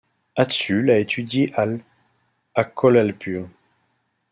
Adsul a étudié à l' à Kolhapur.